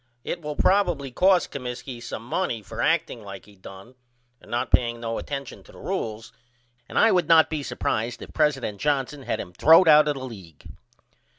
It will probily cost Comiskey some money for acting like he done and not paying no attention to the rules and I would not be supprised if president Johnson had him throwed out of the league.